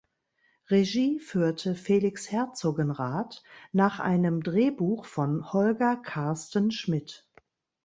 Regie führte Felix Herzogenrath nach einem Drehbuch von Holger Karsten Schmidt.